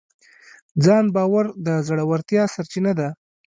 ځان باور د زړورتیا سرچینه ده.